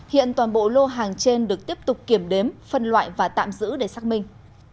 hiện toàn bộ lô hàng trên được tiếp tục kiểm đếm phân loại và tạm giữ để xác minh